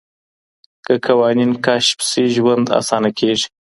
که قوانین کشف سي ژوند اسانه کیږي.